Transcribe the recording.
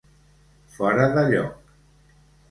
Fora de lloc.